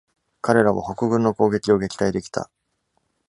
彼らは北軍の攻撃を撃退できた。